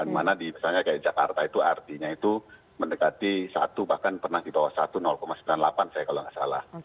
mana misalnya di jakarta itu artinya itu mendekati satu bahkan pernah gitu sembilan puluh delapan saya kalau nggak salah